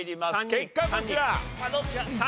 結果こちら！